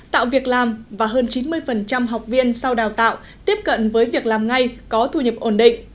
tạo việc làm và hơn chín mươi học viên sau đào tạo tiếp cận với việc làm ngay có thu nhập ổn định